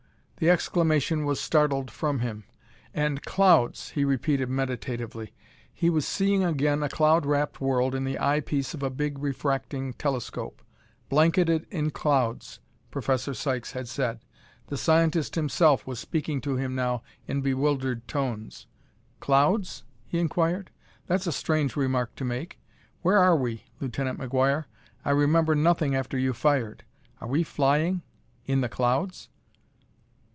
The exclamation was startled from him. And: "Clouds!" he repeated meditatively; he was seeing again a cloud wrapped world in the eye piece of a big refracting telescope. "Blanketed in clouds," Professor Sykes had said. The scientist himself was speaking to him now in bewildered tones. "Clouds?" he inquired. "That's a strange remark to make. Where are we, Lieutenant McGuire? I remember nothing after you fired. Are we flying in the clouds?"